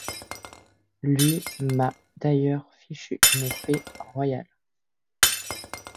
Lui m'a d'ailleurs fichu une paix royale.